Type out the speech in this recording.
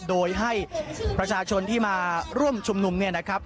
โดยให้ประชาชนที่มาร่วมชุมนุมเนี่ยนะครับ